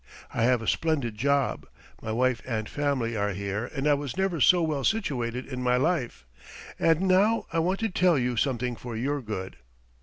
I have a splendid job. My wife and family are here and I was never so well situated in my life. And now I want to tell you something for your good."